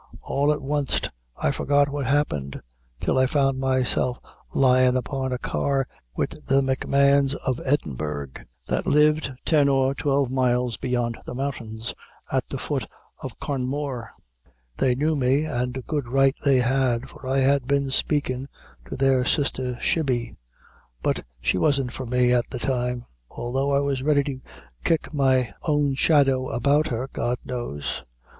All at wanst I forgot what happened, till I found myself lyin' upon a car wid the M'Mahons of Edinburg, that lived ten or twelve miles beyant the mountains, at the foot of Carnmore. They knew me, and good right they had, for I had been spakin' to their sister Shibby, but she wasn't for me at the time, although I was ready to kick my own shadow about her, God knows.